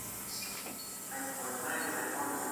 ايا د مزاجونو او کلتورونو توافق موجود دی؟